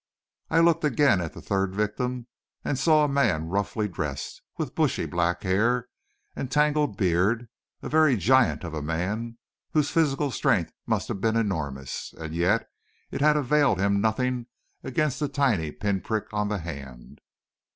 I looked again at the third victim, and saw a man roughly dressed, with bushy black hair and tangled beard; a very giant of a man, whose physical strength must have been enormous and yet it had availed him nothing against that tiny pin prick on the hand!